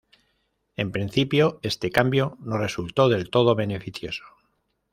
En principio este cambio no resultó del todo beneficioso.